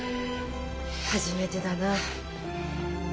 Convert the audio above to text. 初めてだな。